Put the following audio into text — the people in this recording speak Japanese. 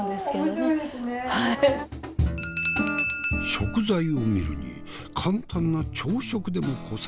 食材を見るに簡単な朝食でもこさえるつもりか？